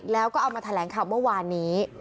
แล้วก็เอามาแถลงข่าวเมื่อวานนี้